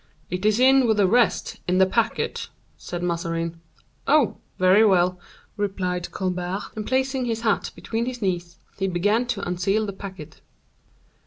"It is in with the rest, in the packet," said Mazarin. "Oh! very well," replied Colbert; and placing his hat between his knees, he began to unseal the packet.